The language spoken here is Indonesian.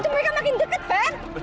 itu mereka makin dekat ben